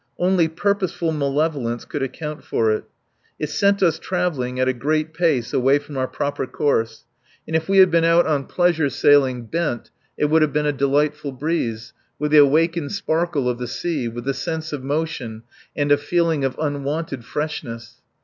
Only purposeful malevolence could account for it. It sent us travelling at a great pace away from our proper course; and if we had been out on pleasure sailing bent it would have been a delightful breeze, with the awakened sparkle of the sea, with the sense of motion and a feeling of unwonted freshness.